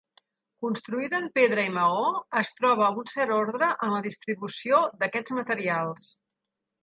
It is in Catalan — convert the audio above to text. Construïda en pedra i maó, es troba un cert ordre en la distribució d'aquests materials.